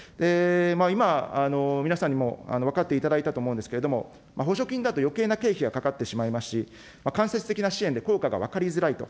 今、皆さんにも分かっていただいたと思うんですけれども、補助金だとよけいな経費がかかってしまいますし、間接的な支援で効果が分かりづらいと。